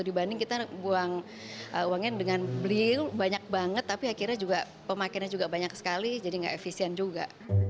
dibanding kita buang uangnya dengan belil banyak banget tapi akhirnya juga pemakaiannya juga banyak sekali jadi gak efisien juga